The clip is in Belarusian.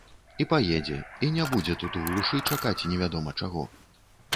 І паедзе, і не будзе тут у глушы чакаць невядома чаго.